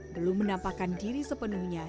belum menampakan diri sepenuhnya